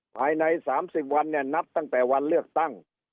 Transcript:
ภายใน๓๐วันเนี่ยนับตั้งแต่วันเลือกตั้ง